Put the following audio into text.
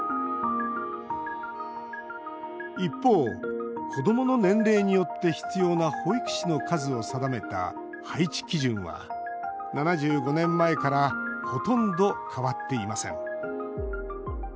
一方、子どもの年齢によって必要な保育士の数を定めた配置基準は、７５年前からほとんど変わっていません。